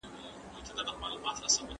د کورني نظم لپاره چا ته قواميت ورکړل سوی؟